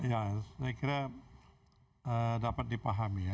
ya saya kira dapat dipahami ya